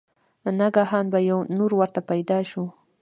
ناګهانه به يو نُور ورته پېدا شي